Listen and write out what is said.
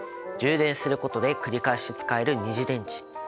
充電することで繰り返し使える二次電池。